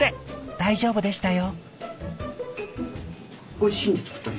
大丈夫でしたよ。